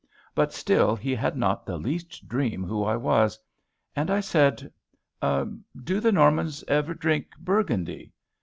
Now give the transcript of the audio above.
But still he had not the least dream who I was. And I said, "Do the Normans ever drink Burgundy?"